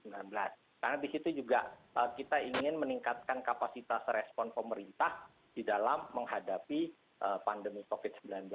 karena di situ juga kita ingin meningkatkan kapasitas respon pemerintah di dalam menghadapi pandemi covid sembilan belas ini